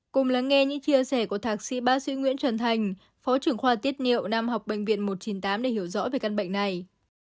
cùng lắng nghe những chia sẻ của thạc sĩ bác sĩ nguyễn trần thành phó trưởng khoa tiết niệu nam học bệnh viện một trăm chín mươi tám để hiểu rõ về căn bệnh này